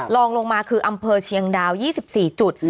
ลองลงมาคืออำเภอเชียงดาว๒๔จุด